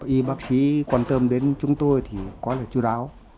y bác sĩ quan tâm đến chúng tôi thì quá là chú đáo